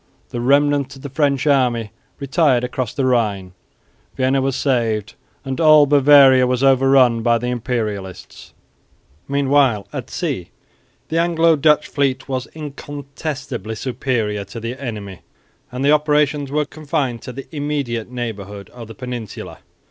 The remnant of the French army retired across the Rhine. Vienna was saved, and all Bavaria was overrun by the Imperialists. Meanwhile at sea the Anglo Dutch fleet was incontestably superior to the enemy; and the operations were confined to the immediate neighbourhood of the Peninsula.